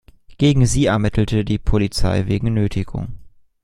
Gegen sie ermittelte die Polizei wegen Nötigung.